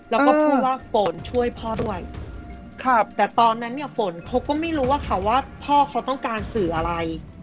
แล้วก็พูดว่าฝนช่วยพ่อด้วยครับแต่ตอนนั้นเนี่ยฝนเขาก็ไม่รู้อะค่ะว่าพ่อเขาต้องการสื่ออะไร